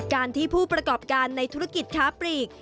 การที่ผู้ประกอบการในธุรกิจค้าปลีก